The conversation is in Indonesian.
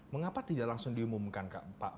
mengapa tidak langsung diumumkan pak